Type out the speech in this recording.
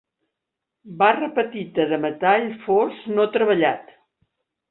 Barra petita de metall fos no treballat.